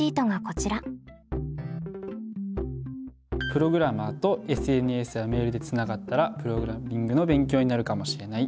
プログラマーとＳＮＳやメールでつながったらプログラミングの勉強になるかもしれない。